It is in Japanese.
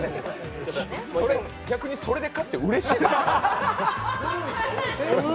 逆にそれで勝ってうれしいのか。